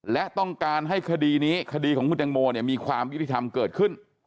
และต้องการให้คดีนี้คดีของคุณตังโมมีความยุติธรรมเกิดขึ้น